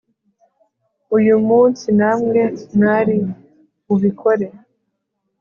uyu munsi namwe mwari bubikore